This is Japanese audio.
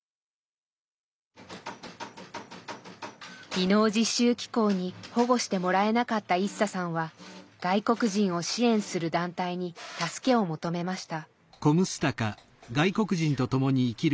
技能実習機構に保護してもらえなかったイッサさんは外国人を支援する団体に助けを求めました。